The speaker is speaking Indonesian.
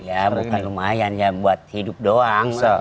ya bukan lumayan ya buat hidup doang